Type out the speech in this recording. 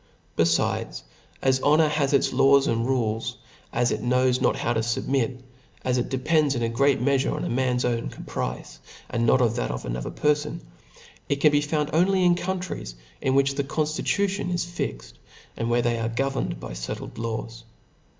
Befides, as honor has it« laws and rules ; as it knows not how to fubmit \ as it depends in a great meafure on a man's own caprice, and not on that of another perfon i it can be found only in countries in which the conftitution is fixed, aad where they are governed by fettled laws.